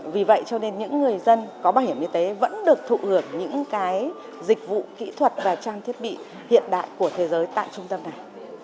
vì vậy cho nên những người dân có bảo hiểm y tế vẫn được thụ hưởng những cái dịch vụ kỹ thuật và trang thiết bị hiện đại của thế giới tại trung tâm này